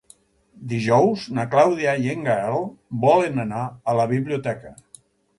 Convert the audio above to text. Dijous na Clàudia i en Gaël volen anar a la biblioteca.